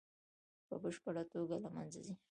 په بشپړه توګه له منځه ځي.